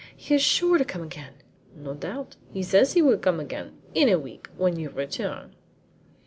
He is sure to come again!" "No doubt. He says he will come again in a week when you return."